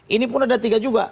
ini pun ada tiga juga